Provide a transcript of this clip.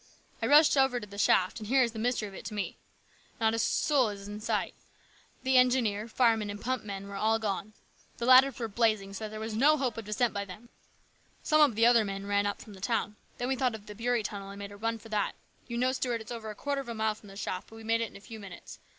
I rushed over to the shaft, and here is the mystery of it to me. Not a soul was in sight. The engineer, firemen, and pump men were all gone. The ladders were blazing, so that there was no hope of descent by them. Some of the other men ran up from the town. Then we thought of the Beury tunnel and made a run for that. You know, Stuart, it's over a quarter of a mile from the shaft, but we made it in a few minutes.